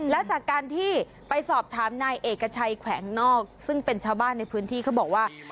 และจากการที่ไปสอบถามนายเอกชัยแขวงนอกซึ่งเป็นชาวบ้านในพื้นที่เขาบอกว่า